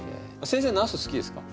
先生なす好きですか？